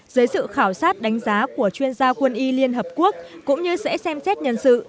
dưới sự khảo sát đánh giá của chuyên gia quân y liên hợp quốc cũng như sẽ xem xét nhân sự